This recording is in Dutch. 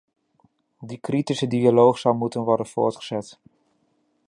Die kritische dialoog zal moeten worden voortgezet.